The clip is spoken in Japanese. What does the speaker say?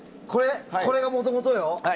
これがもともとよ？